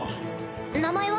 名前は？